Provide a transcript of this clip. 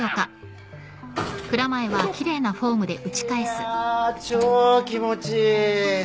いや超気持ちいい。